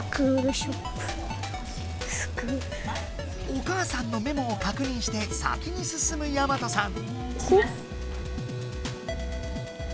お母さんのメモをかくにんして先に進むやまとさん。